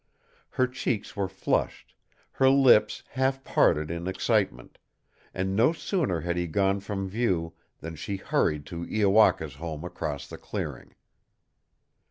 Her cheeks were flushed, her lips half parted in excitement; and no sooner had he gone from view than she hurried to Iowaka's home across the clearing.